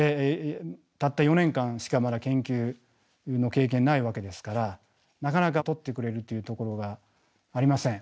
たった４年間しかまだ研究の経験ないわけですからなかなか採ってくれるというところがありません。